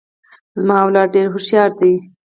زما اولاد ډیر هوښیار دي.